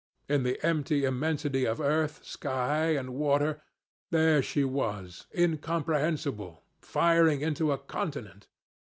In the empty immensity of earth, sky, and water, there she was, incomprehensible, firing into a continent.